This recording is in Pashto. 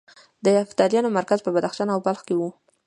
د یفتلیانو مرکز په بدخشان او بلخ کې و